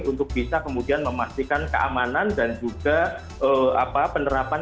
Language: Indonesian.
untuk bisa kemudian memastikan keamanan dan juga penerapan